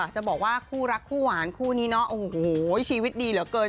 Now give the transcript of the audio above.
จะบอกว่าคู่รักคู่หวานคู่นี้เนาะโอ้โหชีวิตดีเหลือเกิน